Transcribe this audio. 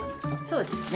そうですね。